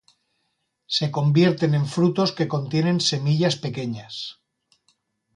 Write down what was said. Se convierten en frutos que contienen semillas pequeñas.